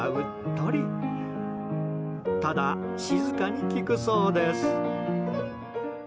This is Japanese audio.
ただ静かに聴くそうです。